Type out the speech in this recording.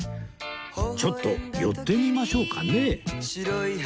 ちょっと寄ってみましょうかね